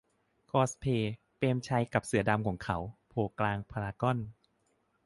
คอสเพลย์ "เปรมชัยกับเสือดำของเขา" โผล่กลางพารากอน